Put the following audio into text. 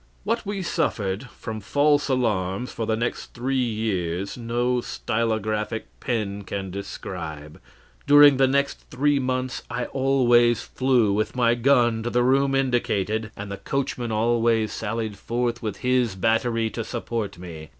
"What we suffered from false alarms for the next three years no stylographic pen can describe. During the next three months I always flew with my gun to the room indicated, and the coachman always sallied forth with his battery to support me.